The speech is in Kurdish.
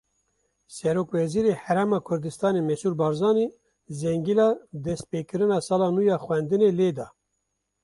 Serokwezîrê Herêma Kurdistanê Mesrûr Barzanî zengila dest pêkirina sala nû ya xwendinê lêda.